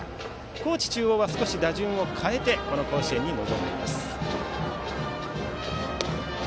高知中央は少し打順を変えて甲子園に臨んでいます。